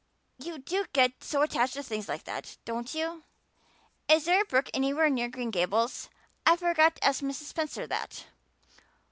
You do get so attached to things like that, don't you? Is there a brook anywhere near Green Gables? I forgot to ask Mrs. Spencer that."